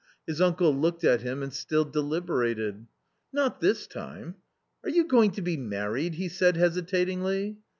His uncle looked at him and still deliberated. " Not this time — are you going, to be married ?" he said hesitatingly.